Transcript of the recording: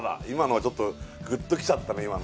今のはちょっとグッときちゃったね